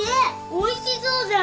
おいしそうじゃん！